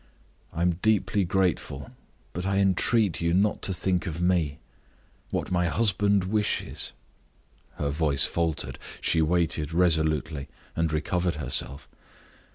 "I am deeply grateful, but I entreat you not to think of me. What my husband wishes " Her voice faltered; she waited resolutely, and recovered herself.